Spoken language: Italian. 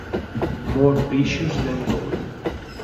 More Precious Than Gold